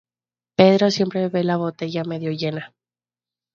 Pedro siempre ve la botella medio llena